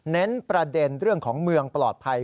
เน้นประเด็นเรื่องของเมืองปลอดภัย